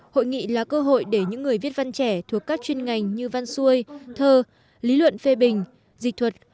hội nghị là cơ hội để những người viết văn trẻ thuộc các chuyên ngành như văn xuôi thơ lý luận phê bình dịch thuật